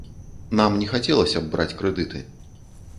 Нам не хацелася б браць крэдыты.